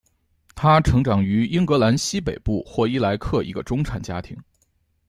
她成长于英格兰西北部霍伊莱克一个中产家庭。